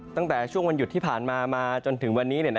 ตั้งแต่ช่วงวันหยุดที่ผ่านมามาจนถึงวันนี้